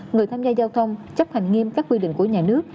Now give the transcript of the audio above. người tham gia giao thông chấp hành nghiêm các quy định của nhà nước